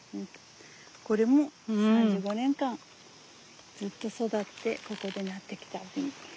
これも３５年間ずっと育ってここでなってきた。